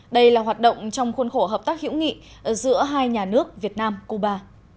đây là hoạt động trong khuôn khổ hợp tác hữu nghị giữa hai nhà nước việt nam cuba